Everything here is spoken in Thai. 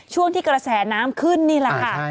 ช่วงที่กระแสน้ำขึ้นนี่แหละค่ะ